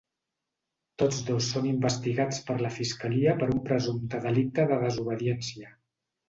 Tots dos són investigats per la fiscalia per un presumpte delicte de desobediència.